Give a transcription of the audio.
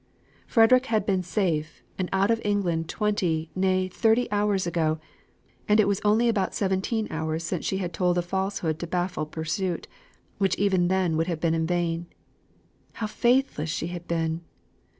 Frederick had been safe, and out of England twenty, nay, thirty hours ago; and it was only about seventeen hours since she had told a falsehood to baffle pursuit, which even then would have been vain. How faithless she had been!